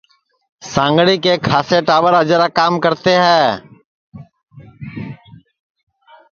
سانگھڑی کے کھاسیے ٹاٻر اجرا کام کرتے ہے